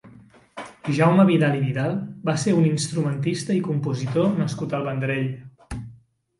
Jaume Vidal i Vidal va ser un instrumentista i compositor nascut al Vendrell.